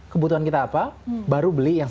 kebutuhan kita apa baru beli yang